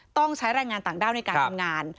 ต้องใช้แรงงานต่างด้าวในการทำงาน